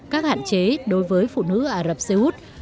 các hạn chế đối với phụ nữ ả rập xê út